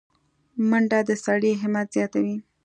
منډه د سړي همت زیاتوي